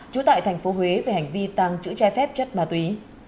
trú tại tp huế về hành vi tàng trữ trai phép chất ma túy